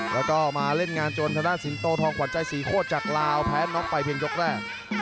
แล้วก็มาเล่นงานจนทางด้านสิงโตทองขวัญใจศรีโคตรจากลาวแพ้น็อกไปเพียงยกแรก